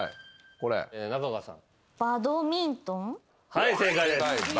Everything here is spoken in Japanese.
はい正解です。